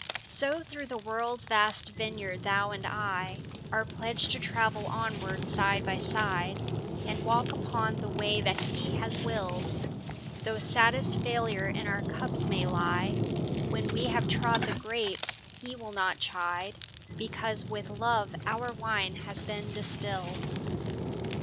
So through the world's vast vineyard thou and I Are pledged to travel onward side by side And walk upon the way that He has willed. Though saddest failure in our cups may lie When we have trod the grapes, He will not chide, Because with love our wine has been distilled.